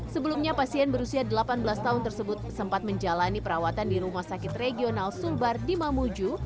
sebelumnya pasien berusia delapan belas tahun tersebut sempat menjalani perawatan di rumah sakit regional sumbar di mamuju